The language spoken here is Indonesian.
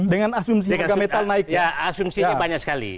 dengan asumsi metal naiknya